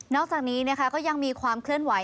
อกจากนี้นะคะก็ยังมีความเคลื่อนไหว